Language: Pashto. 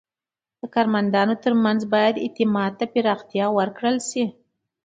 د کارمندانو ترمنځ باید اعتماد ته پراختیا ورکړل شي.